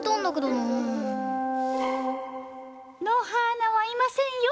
はーなはいませんよ。